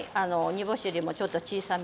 煮干しよりもちょっと小さめの。